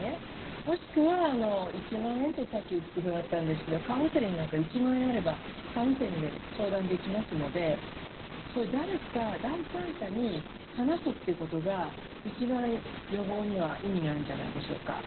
もしくは１万円と言っていたんですけれどもカウンセリングは１万円あれば相談できますので誰か第三者に話すということがいちばん予防には意味があるんじゃないでしょうか。